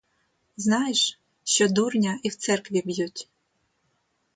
Знаєш, що дурня і в церкві б'ють.